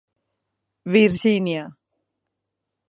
Virgínia.